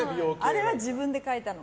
あれは自分で書いたの。